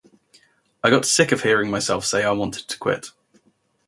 I got sick of hearing myself say I wanted to quit.